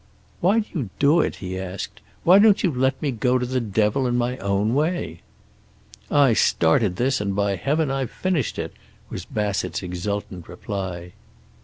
"Why do you do it?" he asked. "Why don't you let me go to the devil in my own way?" "I started this, and by Heaven I've finished it," was Bassett's exultant reply.